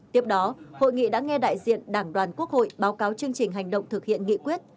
tiếp đó hội nghị đã nghe đại diện đảng đoàn quốc hội báo cáo chương trình hành động thực hiện nghị quyết